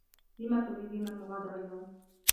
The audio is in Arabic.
لم تريدين المغادرة اليوم؟